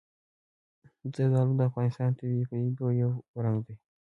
زردالو د افغانستان د طبیعي پدیدو یو رنګ دی.